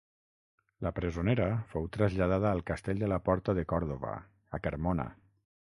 La presonera fou traslladada al castell de la porta de Còrdova, a Carmona.